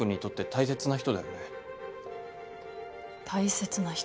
大切な人。